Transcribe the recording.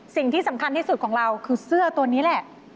สิ่งที่สำคัญที่สุดของเราคือเสื้อตัวนี้แหละ